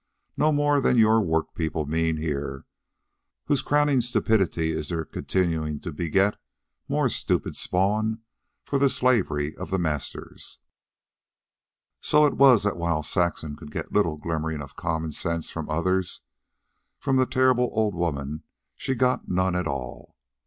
No more than your work people mean here, whose crowning stupidity is their continuing to beget more stupid spawn for the slavery of the masters." So it was that while Saxon could get little glimmering of common sense from others, from the terrible old woman she got none at all.